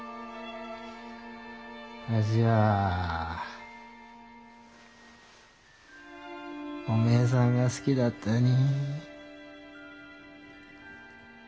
わしはおめえさんが好きだったに。